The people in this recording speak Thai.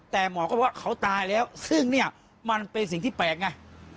แต่หมอก็ว่าเขาตายแล้วซึ่งเนี่ยมันเป็นสิ่งที่แปลกไง